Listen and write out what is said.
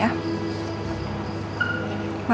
maaf lahir batin